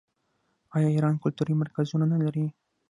آیا ایران کلتوري مرکزونه نلري؟